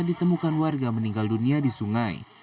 ditemukan warga meninggal dunia di sungai